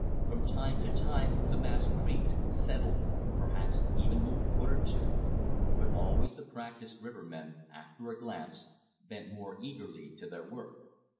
From time to time the mass creaked, settled, perhaps even moved a foot or two; but always the practiced rivermen, after a glance, bent more eagerly to their work.